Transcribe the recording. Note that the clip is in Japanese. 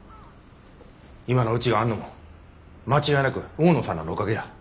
今のうちがあんのも間違いなく大野さんらのおかげや。